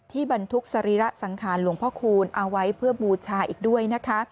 บรรทุกสรีระสังขารหลวงพ่อคูณเอาไว้เพื่อบูชาอีกด้วยนะคะ